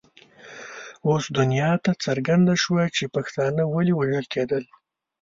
اوس دنیا ته څرګنده شوه چې پښتانه ولې وژل کېدل.